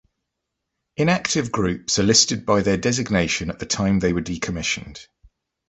Inactive groups are listed by their designation at the time they were decommissioned.